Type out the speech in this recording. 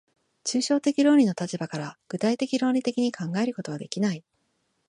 抽象的論理の立場から具体的論理的に考えることはできない。